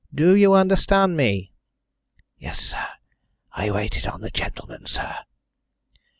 Do you understand me?" "Yes, sir. I waited on the gentlemen, sir."